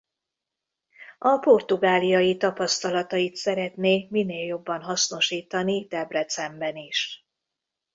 A portugáliai tapasztalatait szeretné minél jobban hasznosítani Debrecenben is.